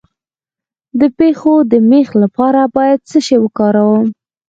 د پښو د میخ لپاره باید څه شی وکاروم؟